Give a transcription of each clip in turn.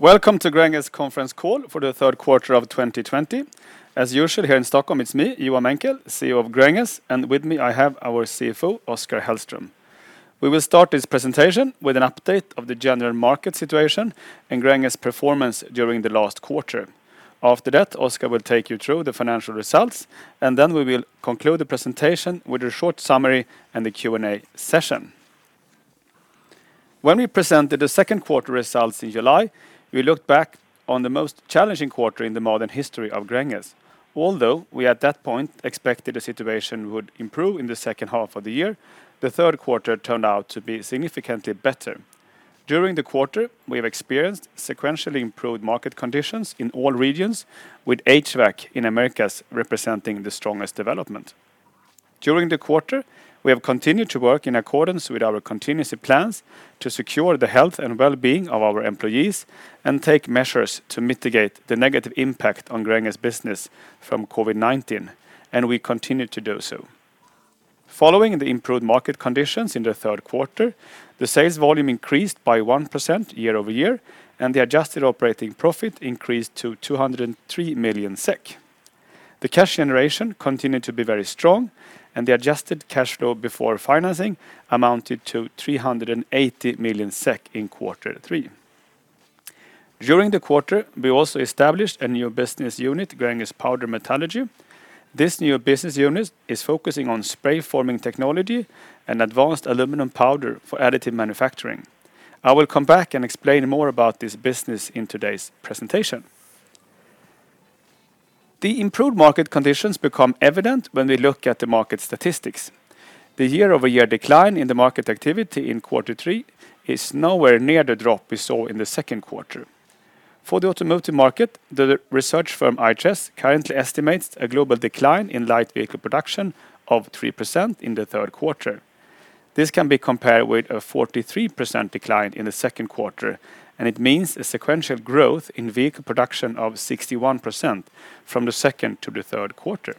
Welcome to Gränges conference call for the third quarter of 2020. As usual, here in Stockholm, it's me, Johan Menckel, CEO of Gränges, and with me I have our CFO, Oskar Hellström. We will start this presentation with an update of the general market situation and Gränges performance during the last quarter. After that, Oskar will take you through the financial results, and then we will conclude the presentation with a short summary and the Q&A session. When we presented the second quarter results in July, we looked back on the most challenging quarter in the modern history of Gränges. Although we at that point expected the situation would improve in the second half of the year, the third quarter turned out to be significantly better. During the quarter, we have experienced sequentially improved market conditions in all regions, with HVAC in Americas representing the strongest development. During the quarter, we have continued to work in accordance with our contingency plans to secure the health and wellbeing of our employees and take measures to mitigate the negative impact on Gränges business from COVID-19, and we continue to do so. Following the improved market conditions in the third quarter, the sales volume increased by 1% year-over-year, and the adjusted operating profit increased to 203 million SEK. The cash generation continued to be very strong, and the adjusted cash flow before financing amounted to 380 million SEK in quarter three. During the quarter, we also established a new business unit, Gränges Powder Metallurgy. This new business unit is focusing on spray forming technology and advanced aluminum powder for additive manufacturing. I will come back and explain more about this business in today's presentation. The improved market conditions become evident when we look at the market statistics. The year-over-year decline in the market activity in quarter three is nowhere near the drop we saw in the second quarter. For the automotive market, the research firm IHS currently estimates a global decline in light vehicle production of 3% in the third quarter. This can be compared with a 43% decline in the second quarter, and it means a sequential growth in vehicle production of 61% from the second to the third quarter.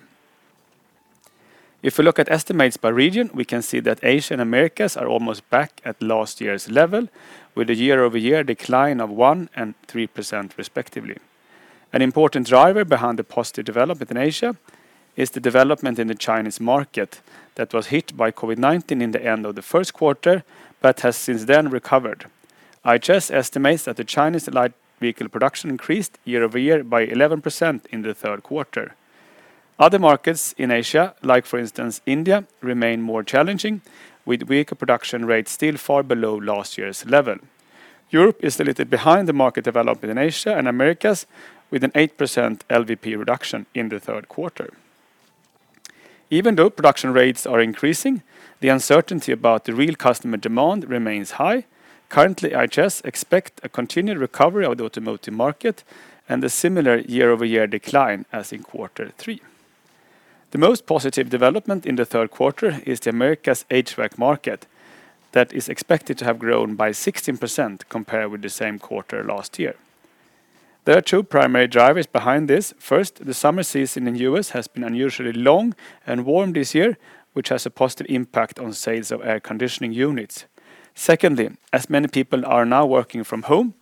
If we look at estimates by region, we can see that Asia and Americas are almost back at last year's level, with a year-over-year decline of 1% and 3% respectively. An important driver behind the positive development in Asia is the development in the Chinese market that was hit by COVID-19 in the end of the first quarter, but has since then recovered. IHS estimates that the Chinese light vehicle production increased year-over-year by 11% in the third quarter. Other markets in Asia, like for instance, India, remain more challenging with vehicle production rates still far below last year's level. Europe is a little behind the market development in Asia and Americas with an 8% LVP reduction in the third quarter. Even though production rates are increasing, the uncertainty about the real customer demand remains high. Currently, IHS expect a continued recovery of the automotive market and a similar year-over-year decline as in quarter three. The most positive development in the third quarter is the Americas HVAC market that is expected to have grown by 16% compared with the same quarter last year. There are two primary drivers behind this. First, the summer season in the U.S. has been unusually long and warm this year, which has a positive impact on sales of air conditioning units. Secondly, as many people are now working from home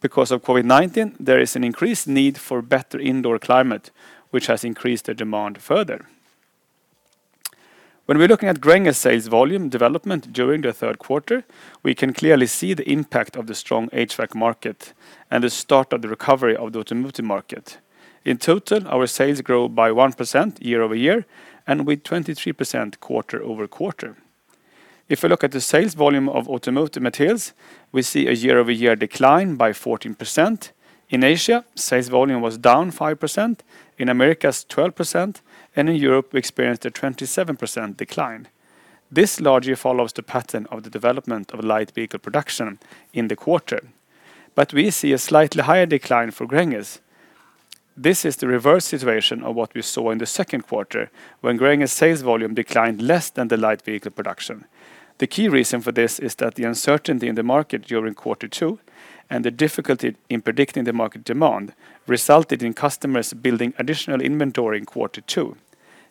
because of COVID-19, there is an increased need for better indoor climate, which has increased the demand further. When we're looking at Gränges sales volume development during the third quarter, we can clearly see the impact of the strong HVAC market and the start of the recovery of the automotive market. In total, our sales grew by 1% year-over-year and with 23% quarter-over-quarter. If we look at the sales volume of automotive materials, we see a year-over-year decline by 14%. In Asia, sales volume was down 5%, in Americas, 12%, in Europe, we experienced a 27% decline. This largely follows the pattern of the development of light vehicle production in the quarter. We see a slightly higher decline for Gränges. This is the reverse situation of what we saw in the second quarter when Gränges sales volume declined less than the light vehicle production. The key reason for this is that the uncertainty in the market during quarter two and the difficulty in predicting the market demand resulted in customers building additional inventory in quarter two.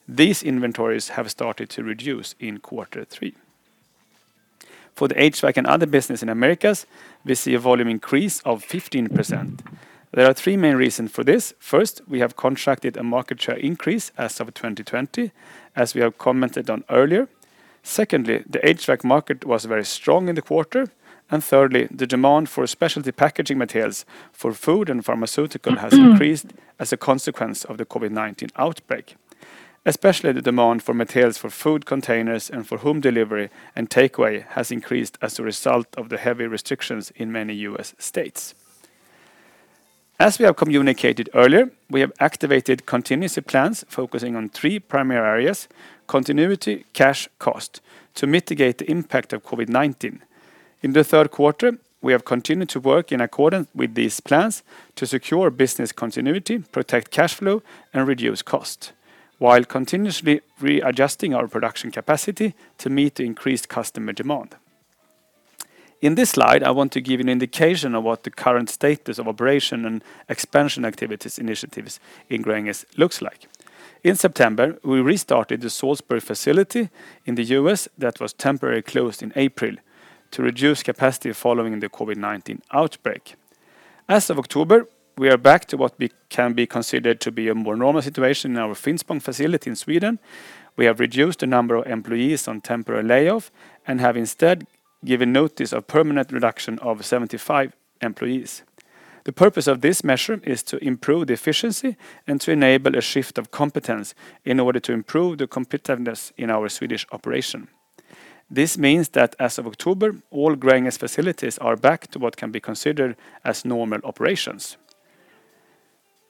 These inventories have started to reduce in quarter three. For the HVAC and other business in Americas, we see a volume increase of 15%. There are three main reasons for this. First, we have contracted a market share increase as of 2020, as we have commented on earlier. Secondly, the HVAC market was very strong in the quarter. Thirdly, the demand for specialty packaging materials for food and pharmaceutical has increased as a consequence of the COVID-19 outbreak. Especially the demand for materials for food containers and for home delivery and takeaway has increased as a result of the heavy restrictions in many U.S. states. As we have communicated earlier, we have activated contingency plans focusing on three primary areas: continuity, cash, cost, to mitigate the impact of COVID-19. In the third quarter, we have continued to work in accordance with these plans to secure business continuity, protect cash flow, and reduce cost, while continuously readjusting our production capacity to meet the increased customer demand. In this slide, I want to give an indication of what the current status of operation and expansion activities initiatives in Gränges looks like. In September, we restarted the Huntingdon facility in the U.S. that was temporarily closed in April to reduce capacity following the COVID-19 outbreak. As of October, we are back to what can be considered to be a more normal situation in our Finspång facility in Sweden. We have reduced the number of employees on temporary layoff and have instead given notice of permanent reduction of 75 employees. The purpose of this measure is to improve the efficiency and to enable a shift of competence in order to improve the competitiveness in our Swedish operation. This means that as of October, all Gränges facilities are back to what can be considered as normal operations.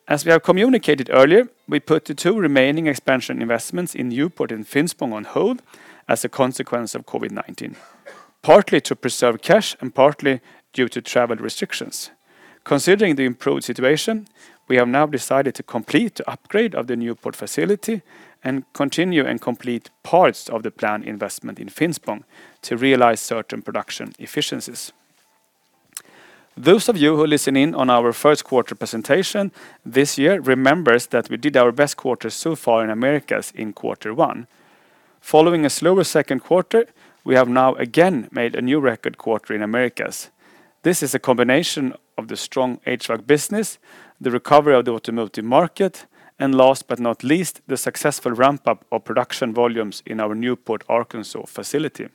As we have communicated earlier, we put the two remaining expansion investments in Newport and Finspång on hold as a consequence of COVID-19, partly to preserve cash and partly due to travel restrictions. Considering the improved situation, we have now decided to complete the upgrade of the Newport facility and continue and complete parts of the planned investment in Finspång to realize certain production efficiencies. Those of you who listened in on our first quarter presentation this year remembers that we did our best quarter so far in Americas in quarter one. Following a slower second quarter, we have now again made a new record quarter in Americas. This is a combination of the strong HVAC business, the recovery of the automotive market, and last but not least, the successful ramp-up of production volumes in our Newport, Arkansas facility.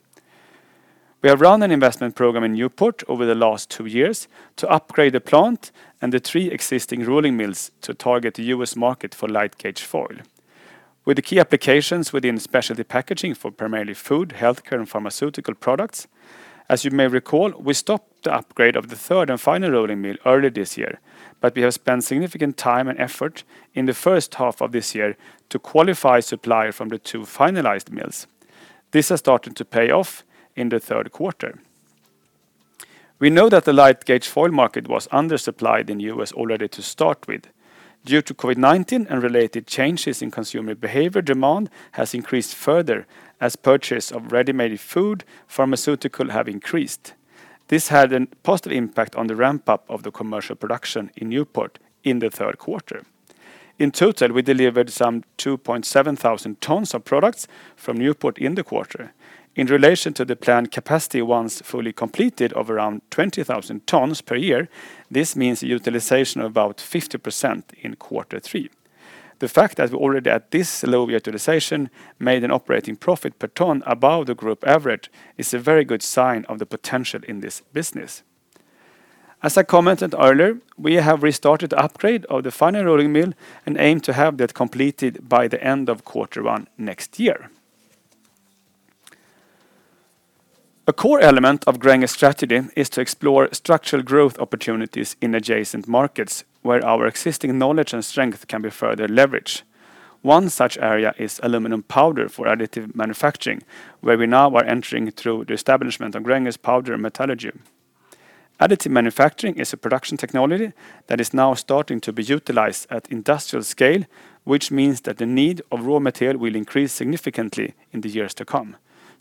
We have run an investment program in Newport over the last two years to upgrade the plant and the three existing rolling mills to target the U.S. market for light gauge foil, with the key applications within specialty packaging for primarily food, healthcare, and pharmaceutical products. As you may recall, we stopped the upgrade of the third and final rolling mill earlier this year, but we have spent significant time and effort in the first half of this year to qualify suppliers from the two finalized mills. This has started to pay off in the third quarter. We know that the light gauge foil market was undersupplied in the U.S. already to start with. Due to COVID-19 and related changes in consumer behavior, demand has increased further as purchase of ready-made food, pharmaceutical have increased. This had a positive impact on the ramp-up of the commercial production in Newport in the third quarter. In total, we delivered some 2,700 tons of products from Newport in the quarter. In relation to the planned capacity once fully completed of around 20,000 tons per year, this means utilization of about 50% in quarter three. The fact that we already at this low utilization made an operating profit per ton above the group average is a very good sign of the potential in this business. As I commented earlier, we have restarted the upgrade of the final rolling mill and aim to have that completed by the end of quarter one next year. A core element of Gränges strategy is to explore structural growth opportunities in adjacent markets where our existing knowledge and strength can be further leveraged. One such area is aluminum powder for additive manufacturing, where we now are entering through the establishment of Gränges Powder Metallurgy. Additive manufacturing is a production technology that is now starting to be utilized at industrial scale, which means that the need of raw material will increase significantly in the years to come.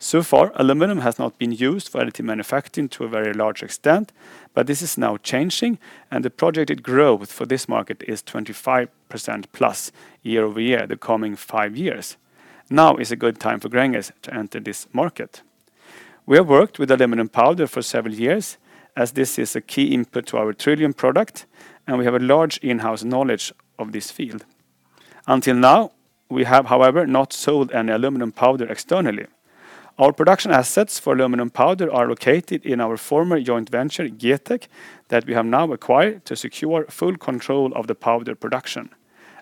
So far, aluminum has not been used for additive manufacturing to a very large extent, but this is now changing, and the projected growth for this market is 25%+ year-over-year, the coming five years. Now is a good time for Gränges to enter this market. We have worked with aluminum powder for several years, as this is a key input to our TRILLIUM product, and we have a large in-house knowledge of this field. Until now, we have, however, not sold any aluminum powder externally. Our production assets for aluminum powder are located in our former joint venture, GETEK GmbH, that we have now acquired to secure full control of the powder production.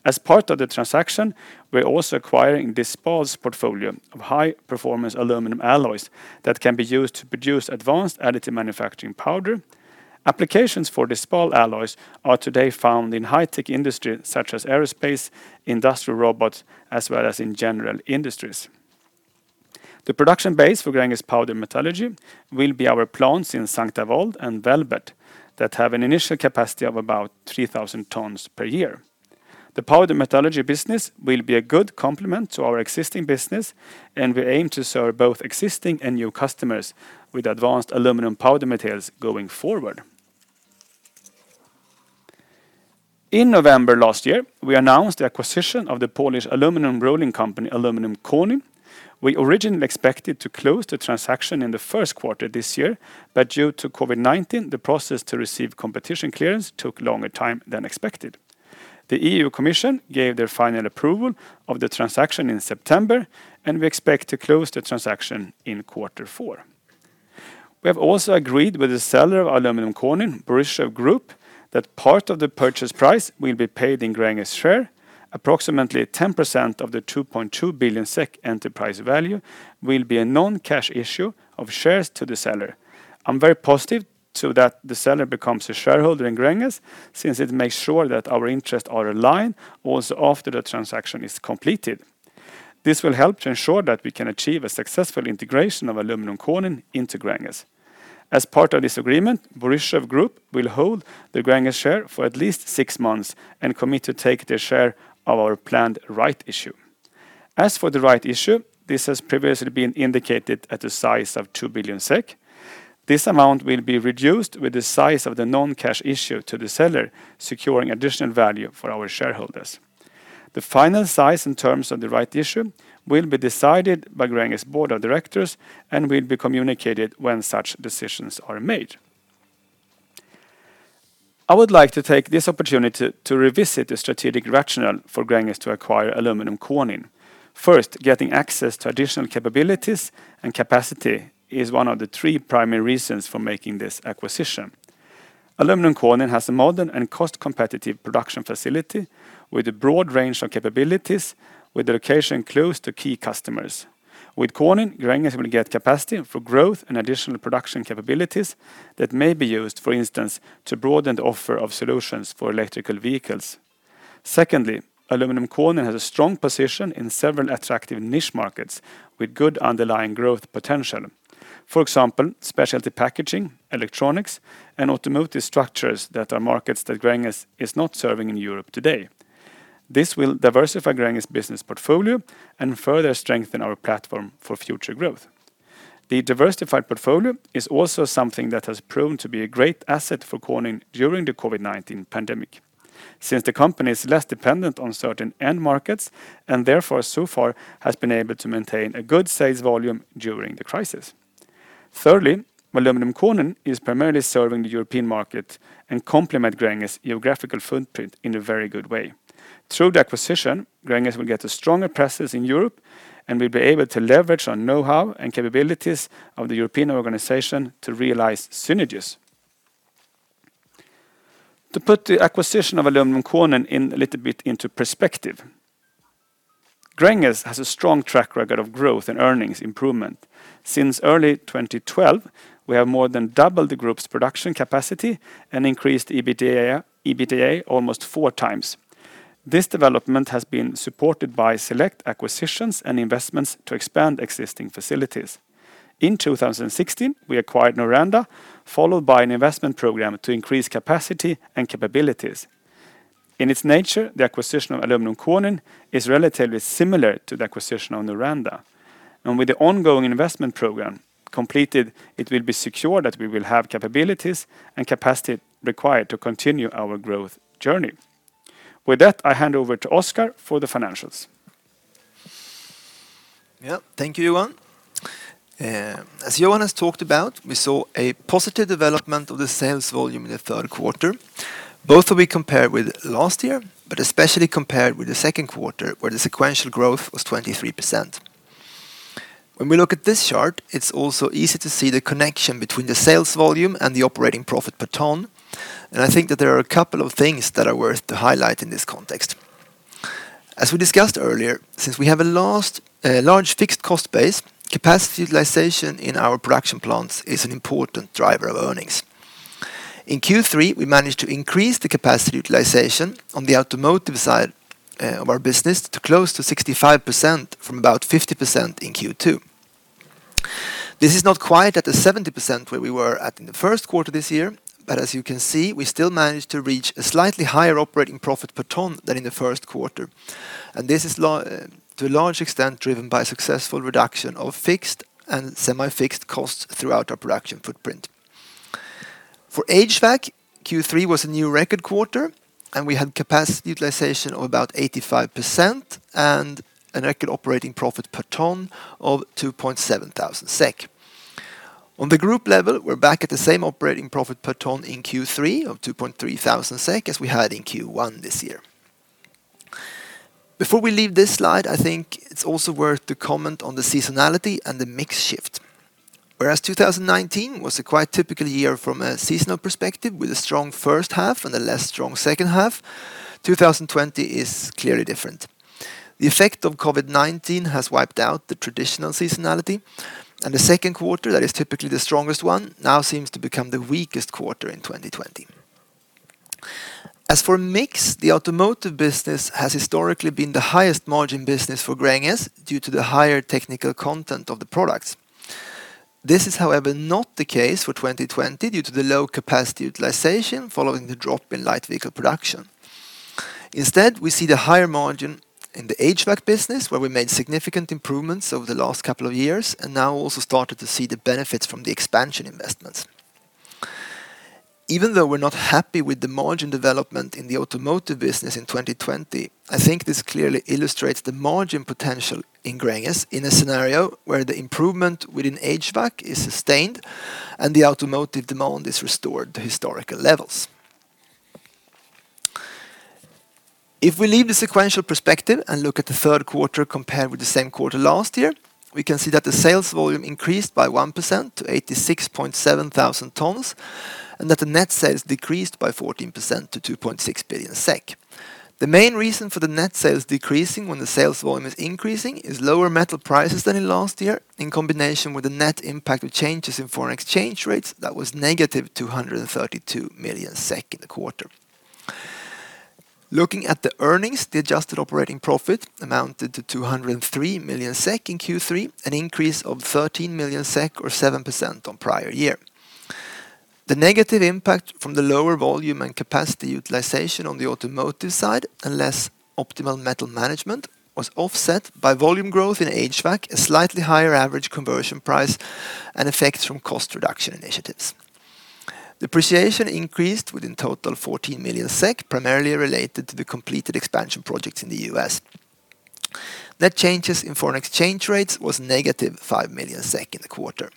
As part of the transaction, we're also acquiring Dispal's portfolio of high-performance aluminum alloys that can be used to produce advanced additive manufacturing powder. Applications for Dispal alloys are today found in high-tech industry such as aerospace, industrial robots, as well as in general industries. The production base for Gränges Powder Metallurgy will be our plants in Saint-Avold and Velbert that have an initial capacity of about 3,000 tons per year. The powder metallurgy business will be a good complement to our existing business. We aim to serve both existing and new customers with advanced aluminum powder materials going forward. In November last year, we announced the acquisition of the Polish aluminum rolling company, Aluminium Konin. We originally expected to close the transaction in the first quarter this year. Due to COVID-19, the process to receive competition clearance took longer time than expected. The E.U. Commission gave their final approval of the transaction in September. We expect to close the transaction in quarter four. We have also agreed with the seller of Aluminium Konin, Boryszew Group, that part of the purchase price will be paid in Gränges share. Approximately 10% of the 2.2 billion SEK enterprise value will be a non-cash issue of shares to the seller. I'm very positive so that the seller becomes a shareholder in Gränges since it makes sure that our interests are aligned also after the transaction is completed. This will help to ensure that we can achieve a successful integration of Aluminium Konin into Gränges. As part of this agreement, Boryszew Group will hold the Gränges share for at least six months and commit to take their share of our planned right issue. The right issue has previously been indicated at a size of 2 billion SEK. This amount will be reduced with the size of the non-cash issue to the seller securing additional value for our shareholders. The final size in terms of the right issue will be decided by Gränges Board of Directors and will be communicated when such decisions are made. I would like to take this opportunity to revisit the strategic rationale for Gränges to acquire Aluminium Konin. First, getting access to additional capabilities and capacity is one of the three primary reasons for making this acquisition. Aluminium Konin has a modern and cost-competitive production facility with a broad range of capabilities, with a location close to key customers. With Konin, Gränges will get capacity for growth and additional production capabilities that may be used, for instance, to broaden the offer of solutions for electrical vehicles. Secondly, Aluminium Konin has a strong position in several attractive niche markets with good underlying growth potential. For example, specialty packaging, electronics, and automotive structures that are markets that Gränges is not serving in Europe today. This will diversify Gränges business portfolio and further strengthen our platform for future growth. The diversified portfolio is also something that has proven to be a great asset for Konin during the COVID-19 pandemic. Since the company is less dependent on certain end markets, and therefore so far has been able to maintain a good sales volume during the crisis. Thirdly, Aluminium Konin is primarily serving the European market and complement Gränges geographical footprint in a very good way. Through the acquisition, Gränges will get a stronger presence in Europe and will be able to leverage our knowhow and capabilities of the European organization to realize synergies. To put the acquisition of Aluminium Konin a little bit into perspective, Gränges has a strong track record of growth and earnings improvement. Since early 2012, we have more than doubled the group's production capacity and increased EBITDA almost 4x. This development has been supported by select acquisitions and investments to expand existing facilities. In 2016, we acquired Noranda, followed by an investment program to increase capacity and capabilities. In its nature, the acquisition of Aluminium Konin is relatively similar to the acquisition of Noranda, and with the ongoing investment program completed, it will be secure that we will have capabilities and capacity required to continue our growth journey. With that, I hand over to Oskar for the financials. Yeah. Thank you, Johan. As Johan has talked about, we saw a positive development of the sales volume in the third quarter, both when we compare with last year, but especially compared with the second quarter, where the sequential growth was 23%. When we look at this chart, it's also easy to see the connection between the sales volume and the operating profit per ton. I think that there are a couple of things that are worth to highlight in this context. As we discussed earlier, since we have a large fixed cost base, capacity utilization in our production plants is an important driver of earnings. In Q3, we managed to increase the capacity utilization on the automotive side of our business to close to 65% from about 50% in Q2. This is not quite at the 70% where we were at in the first quarter this year, but as you can see, we still managed to reach a slightly higher operating profit per ton than in the first quarter. This is to a large extent driven by successful reduction of fixed and semi-fixed costs throughout our production footprint. For HVAC, Q3 was a new record quarter, and we had capacity utilization of about 85% and a record operating profit per ton of 2,700 SEK. On the group level, we're back at the same operating profit per ton in Q3 of 2,300 SEK as we had in Q1 this year. Before we leave this slide, I think it's also worth to comment on the seasonality and the mix shift. Whereas 2019 was a quite typical year from a seasonal perspective with a strong first half and a less strong second half, 2020 is clearly different. The effect of COVID-19 has wiped out the traditional seasonality, and the second quarter, that is typically the strongest one, now seems to become the weakest quarter in 2020. As for mix, the automotive business has historically been the highest margin business for Gränges due to the higher technical content of the products. This is however, not the case for 2020 due to the low capacity utilization following the drop in light vehicle production. Instead, we see the higher margin in the HVAC business where we made significant improvements over the last couple of years and now also started to see the benefits from the expansion investments. Even though we're not happy with the margin development in the automotive business in 2020, I think this clearly illustrates the margin potential in Gränges in a scenario where the improvement within HVAC is sustained and the automotive demand is restored to historical levels. If we leave the sequential perspective and look at the third quarter compared with the same quarter last year, we can see that the sales volume increased by 1% to 86,700 tons, and that the net sales decreased by 14% to 2.6 billion SEK. The main reason for the net sales decreasing when the sales volume is increasing is lower metal prices than in last year in combination with the net impact of changes in foreign exchange rates that was -232 million SEK in the quarter. Looking at the earnings, the adjusted operating profit amounted to 203 million SEK in Q3, an increase of 13 million SEK or 7% on prior year. The negative impact from the lower volume and capacity utilization on the automotive side and less optimal metal management was offset by volume growth in HVAC, a slightly higher average conversion price, and effects from cost reduction initiatives. Depreciation increased with in total 14 million SEK, primarily related to the completed expansion projects in the U.S. Net changes in foreign exchange rates was -5 million SEK in the quarter.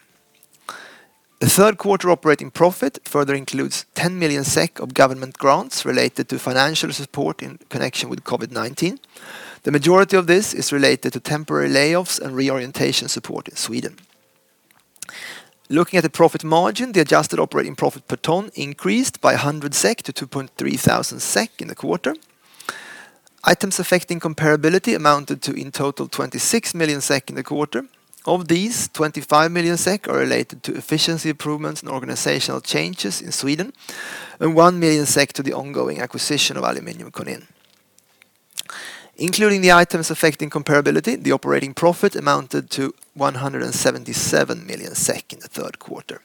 The third quarter operating profit further includes 10 million SEK of government grants related to financial support in connection with COVID-19. The majority of this is related to temporary layoffs and reorientation support in Sweden. Looking at the profit margin, the adjusted operating profit per ton increased by 100-2,300 SEK in the quarter. Items affecting comparability amounted to in total 26 million SEK in the quarter. Of these, 25 million SEK are related to efficiency improvements and organizational changes in Sweden, and 1 million SEK to the ongoing acquisition of Aluminium Konin. Including the items affecting comparability, the operating profit amounted to 177 million SEK in the third quarter.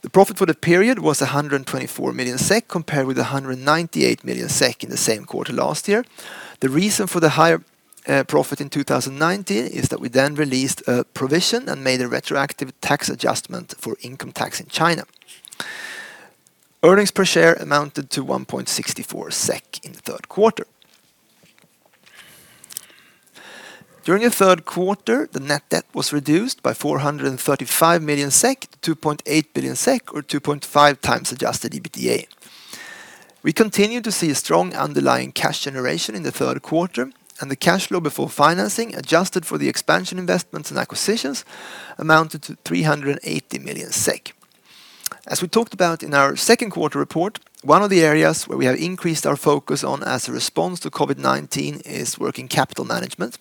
The profit for the period was 124 million SEK compared with 198 million SEK in the same quarter last year. The reason for the higher profit in 2019 is that we then released a provision and made a retroactive tax adjustment for income tax in China. Earnings per share amounted to 1.64 SEK in the third quarter. During the third quarter, the net debt was reduced by 435 million-2.8 billion SEK, or 2.5x adjusted EBITDA. The cash flow before financing adjusted for the expansion investments and acquisitions amounted to 380 million SEK. As we talked about in our second quarter report, one of the areas where we have increased our focus on as a response to COVID-19 is working capital management.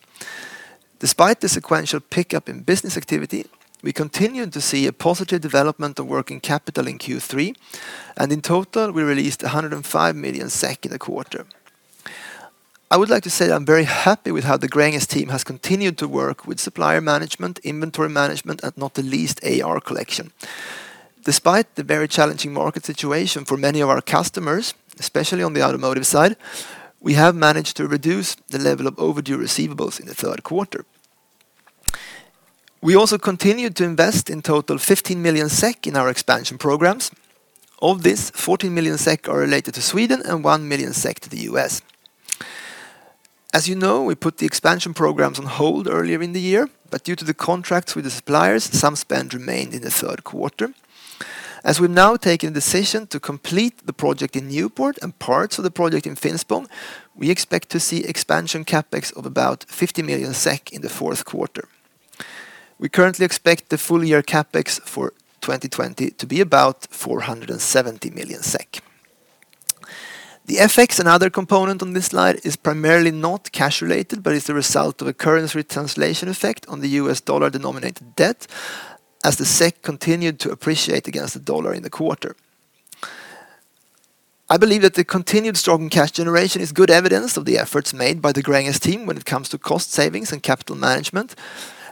Despite the sequential pickup in business activity, we continued to see a positive development of working capital in Q3. In total, we released 105 million SEK in the quarter. I would like to say I'm very happy with how the Gränges team has continued to work with supplier management, inventory management, and not the least, AR collection. Despite the very challenging market situation for many of our customers, especially on the automotive side, we have managed to reduce the level of overdue receivables in the third quarter. We also continued to invest in total 15 million SEK in our expansion programs. Of this, 14 million SEK are related to Sweden and 1 million SEK to the U.S. As you know, we put the expansion programs on hold earlier in the year, but due to the contracts with the suppliers, some spend remained in the third quarter. As we've now taken the decision to complete the project in Newport and parts of the project in Finspång, we expect to see expansion CapEx of about 50 million SEK in the fourth quarter. We currently expect the full year CapEx for 2020 to be about 470 million SEK. The FX and other component on this slide is primarily not cash related, but is the result of a currency translation effect on the U.S. dollar denominated debt as the SEK continued to appreciate against the dollar in the quarter. I believe that the continued strong cash generation is good evidence of the efforts made by the Gränges team when it comes to cost savings and capital management,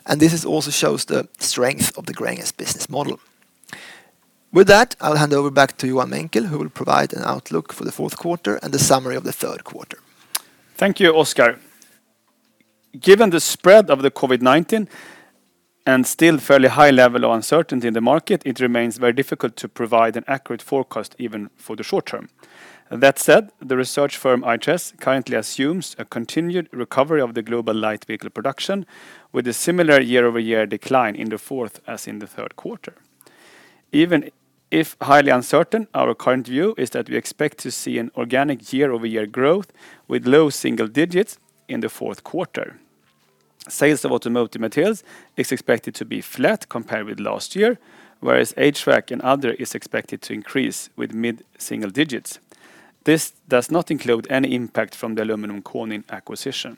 and this also shows the strength of the Gränges business model. With that, I'll hand over back to Johan Menckel, who will provide an outlook for the fourth quarter and the summary of the third quarter. Thank you, Oskar. Given the spread of the COVID-19 and still fairly high level of uncertainty in the market, it remains very difficult to provide an accurate forecast even for the short term. That said, the research firm IHS currently assumes a continued recovery of the global light vehicle production with a similar year-over-year decline in the fourth as in the third quarter. Even if highly uncertain, our current view is that we expect to see an organic year-over-year growth with low single digits in the fourth quarter. Sales of automotive materials is expected to be flat compared with last year, whereas HVAC and other is expected to increase with mid-single digits. This does not include any impact from the Aluminium Konin acquisition.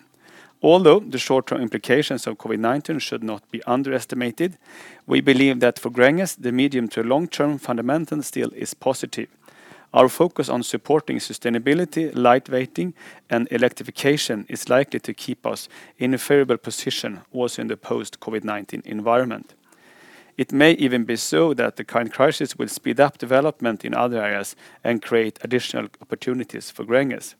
The short-term implications of COVID-19 should not be underestimated, we believe that for Gränges, the medium to long term fundamental still is positive. Our focus on supporting sustainability, light weighting, and electrification is likely to keep us in a favorable position also in the post-COVID-19 environment. It may even be so that the current crisis will speed up development in other areas and create additional opportunities for Gränges.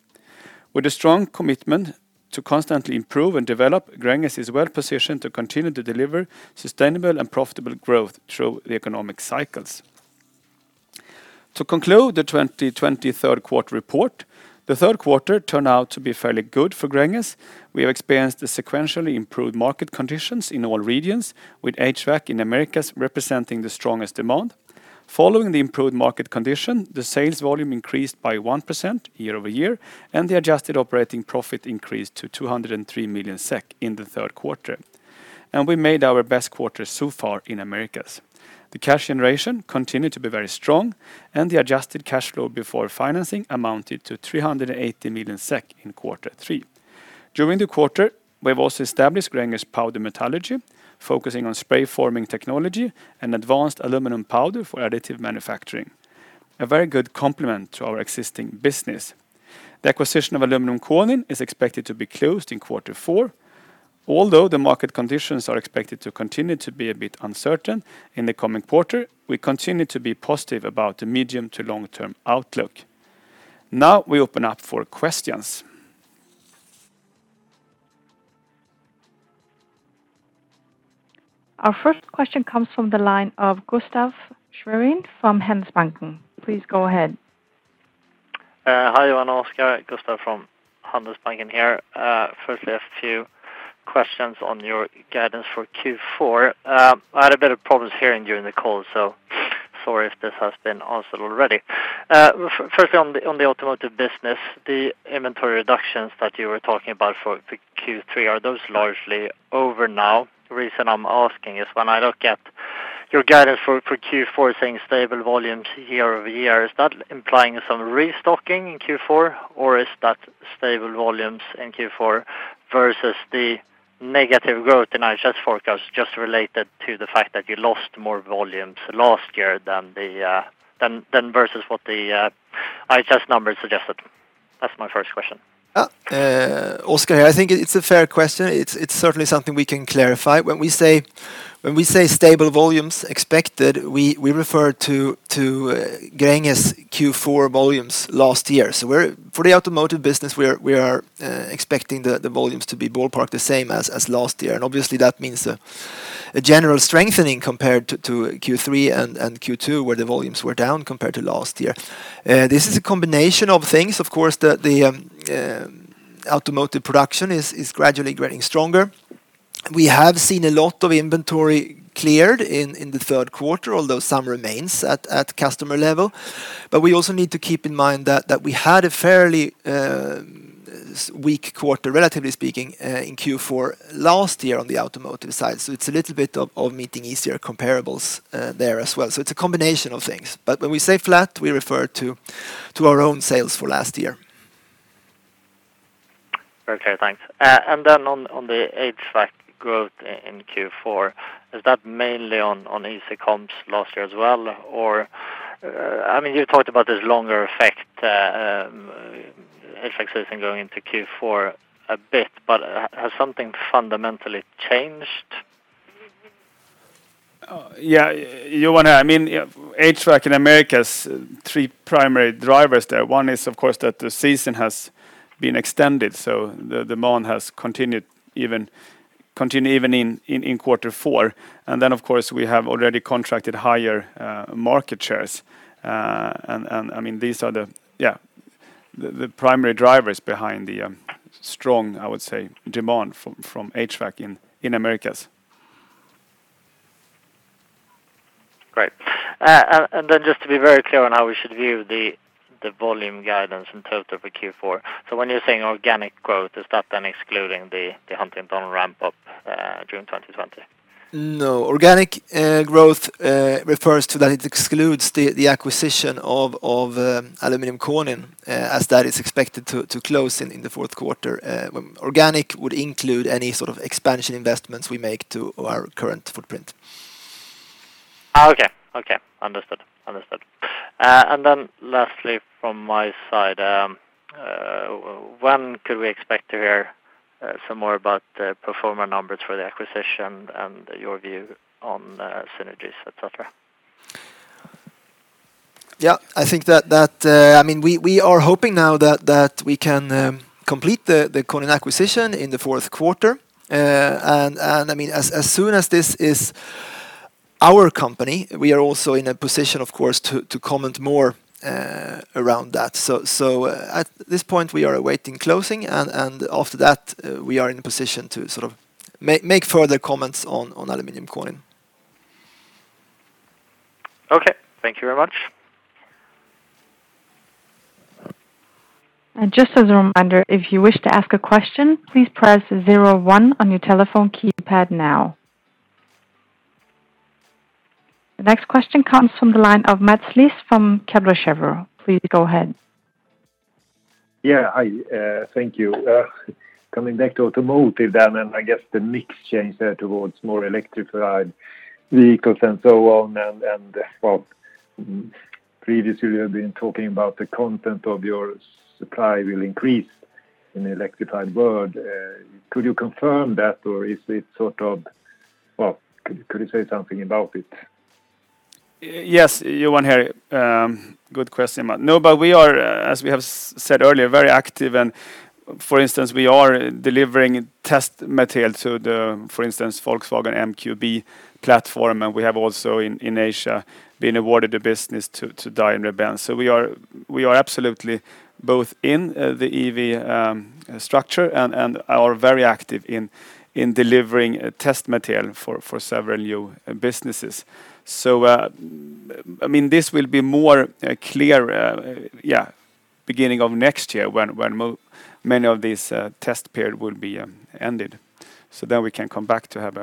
With a strong commitment to constantly improve and develop, Gränges is well positioned to continue to deliver sustainable and profitable growth through the economic cycles. To conclude the 2020 third quarter report, the third quarter turned out to be fairly good for Gränges. We have experienced a sequentially improved market conditions in all regions, with HVAC in Americas representing the strongest demand. Following the improved market condition, the sales volume increased by 1% year-over-year, and the adjusted operating profit increased to 203 million SEK in the third quarter. We made our best quarter so far in Americas. The cash generation continued to be very strong, and the adjusted cash flow before financing amounted to 380 million SEK in quarter three. During the quarter, we have also established Gränges Powder Metallurgy, focusing on spray forming technology and advanced aluminum powder for additive manufacturing. A very good complement to our existing business. The acquisition of Aluminium Konin is expected to be closed in quarter four. Although the market conditions are expected to continue to be a bit uncertain in the coming quarter, we continue to be positive about the medium to long-term outlook. Now we open up for questions. Our first question comes from the line of Gustaf Schwerin from Handelsbanken. Please go ahead. Hi, Johan and Oskar. Gustaf from Handelsbanken here. I have two questions on your guidance for Q4. I had a bit of problems hearing during the call, so sorry if this has been answered already. On the automotive business, the inventory reductions that you were talking about for Q3, are those largely over now? The reason I'm asking is when I look at your guidance for Q4 saying stable volumes year-over-year, is that implying some restocking in Q4, or is that stable volumes in Q4 versus the negative growth in IHS forecast just related to the fact that you lost more volumes last year than versus what the IHS numbers suggested? That's my first question. Oskar here. I think it's a fair question. It's certainly something we can clarify. When we say stable volumes expected, we refer to Gränges Q4 volumes last year. For the automotive business, we are expecting the volumes to be ballpark the same as last year. Obviously, that means a general strengthening compared to Q3 and Q2, where the volumes were down compared to last year. This is a combination of things, of course, the automotive production is gradually getting stronger. We have seen a lot of inventory cleared in the third quarter, although some remains at customer level. We also need to keep in mind that we had a fairly weak quarter, relatively speaking, in Q4 last year on the automotive side. It's a little bit of meeting easier comparables there as well. It's a combination of things. When we say flat, we refer to our own sales for last year. Okay, thanks. On the HVAC growth in Q4, is that mainly on easy comps last year as well? You talked about this longer effect, HVAC season going into Q4 a bit. Has something fundamentally changed? Yeah. Johan here. HVAC in Americas, three primary drivers there. One is, of course, that the season has been extended, so the demand has continued even in quarter four. Of course, we have already contracted higher market shares. These are the primary drivers behind the strong, I would say, demand from HVAC in Americas. Great. Just to be very clear on how we should view the volume guidance in total for Q4. When you're saying organic growth, is that then excluding the Huntingdon ramp-up June 2020? No. Organic growth refers to that it excludes the acquisition of Aluminium Konin, as that is expected to close in the fourth quarter. Organic would include any sort of expansion investments we make to our current footprint. Okay. Understood. Lastly from my side, when could we expect to hear some more about the pro forma numbers for the acquisition and your view on synergies, et cetera? Yeah, we are hoping now that we can complete the Konin acquisition in the fourth quarter. As soon as this is our company, we are also in a position, of course, to comment more around that. At this point, we are awaiting closing, and after that, we are in a position to make further comments on Aluminium Konin. Okay. Thank you very much. The next question comes from the line of Mats Liss from Kepler Cheuvreux. Please go ahead. Thank you. Coming back to automotive then, and I guess the mix change there towards more electrified vehicles and so on, and what previously you have been talking about the content of your supply will increase in the electrified world. Could you confirm that, or could you say something about it? Yes, Johan here. Good question, Mats. We are, as we have said earlier, very active and, for instance, we are delivering test material to the, for instance, Volkswagen MEB platform, and we have also in Asia been awarded the business to die in the bend. We are absolutely both in the EV structure and are very active in delivering test material for several new businesses. This will be more clear, yeah, beginning of next year when many of these test period will be ended. Then we can come back to have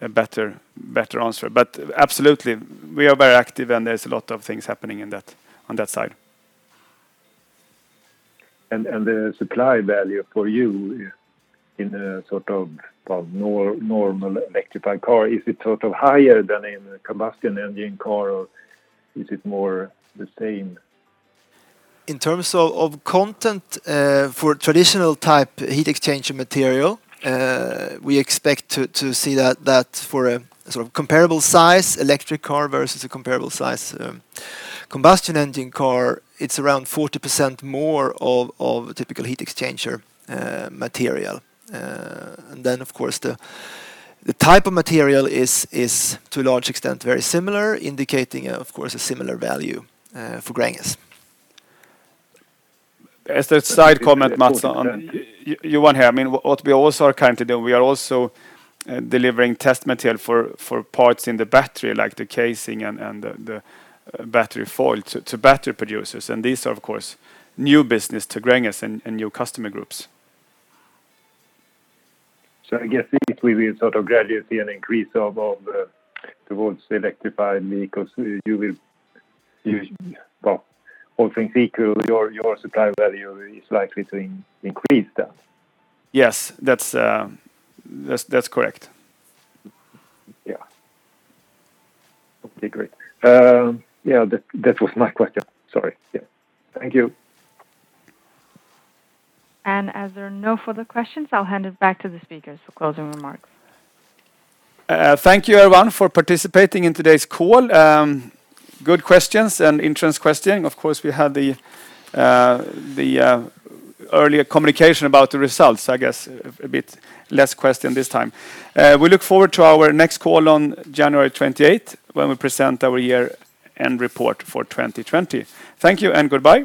a better answer. Absolutely, we are very active, and there's a lot of things happening on that side. The supply value for you in a normal electrified car, is it higher than in a combustion engine car, or is it more the same? In terms of content for traditional type heat exchanger material, we expect to see that for a comparable size electric car versus a comparable size combustion engine car, it is around 40% more of a typical heat exchanger material. Of course, the type of material is to a large extent very similar, indicating, of course, a similar value for Gränges. As a side comment, Mats. Johan here. What we also are currently doing, we are also delivering test material for parts in the battery, like the casing and the battery foil to battery producers. These are, of course, new business to Gränges and new customer groups. I guess if we will gradually see an increase towards electrified vehicles, all things equal, your supply value is likely to increase then Yes. That's correct. Yeah. Okay, great. That was my question. Sorry. Yeah. Thank you. As there are no further questions, I'll hand it back to the speakers for closing remarks. Thank you, everyone, for participating in today's call. Good questions and interesting questioning. Of course, we had the earlier communication about the results, I guess, a bit less question this time. We look forward to our next call on January 28th when we present our year-end report for 2020. Thank you and goodbye.